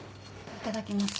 いただきます。